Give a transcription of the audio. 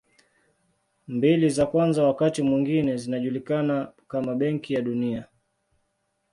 Mbili za kwanza wakati mwingine zinajulikana kama Benki ya Dunia.